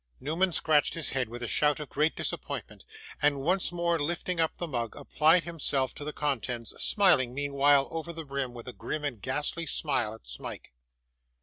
Newman scratched his head with a shout of great disappointment, and once more lifting up the mug, applied himself to the contents; smiling meanwhile, over the rim, with a grim and ghastly smile at Smike.